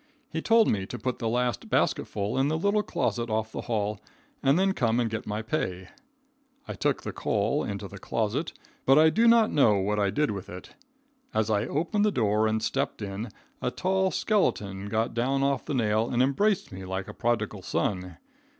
He told me to put the last basketful in the little closet off the hall and then come and get my pay. I took the coal into the closet, but I do not know what I did with it. As I opened the door and stepped in, a tall skeleton got down off the nail and embraced me like a prodigal son.